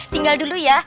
tinggal dulu ya